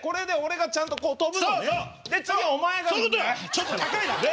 ちょっと高いな！